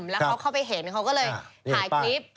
แล้วเขาเข้าไปเห็นเขาก็เลยถ่ายคลิป